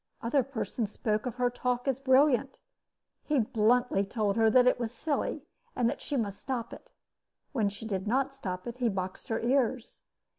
Other persons spoke of her talk as brilliant. He bluntly told her that it was silly, and that she must stop it. When she did not stop it, he boxed her ears.